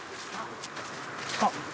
あっ！